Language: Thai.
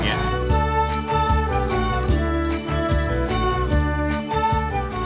ใช่ครับ